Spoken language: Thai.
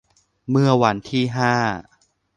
เมื่อวันที่ ห้า